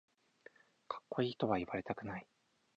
かっこいいとは言われたくない